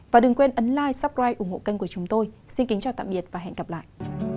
cảm ơn quý vị đã quan tâm theo dõi